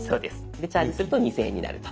でチャージすると２，０００円になると。